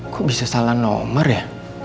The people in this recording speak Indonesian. kok bisa salah nomor ya